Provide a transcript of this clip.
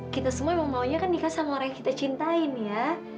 kita semua memang maunya kan nikah sama orang yang kita cintai ya